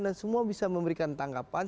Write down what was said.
semua bisa memberikan tanggapan